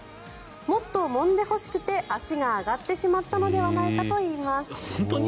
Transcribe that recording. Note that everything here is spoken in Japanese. もっともんでほしくて足が上がってしまったのではないかといいます。